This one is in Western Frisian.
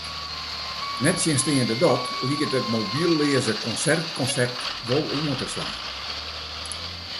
Nettsjinsteande dat liket it mobylleaze konsert-konsept wol oan te slaan.